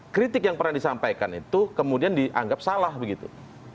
kritik yang pernah disampaikan itu kemudian dianggap salah begitu